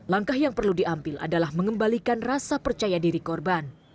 langkah yang perlu diambil adalah mengembalikan rasa percaya diri korban